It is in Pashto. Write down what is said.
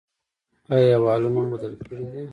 ایا والونه مو بدل کړي دي؟